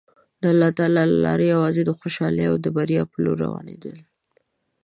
د الله له لارې یوازې د خوشحالۍ او بریا په لور روانېدل.